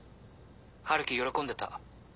春樹喜んでた。